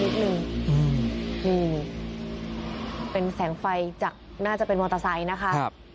มึดมึดนิดนึงเป็นแสงไฟจากนาจะเป็นมอเตอร์ไซค์นะคะ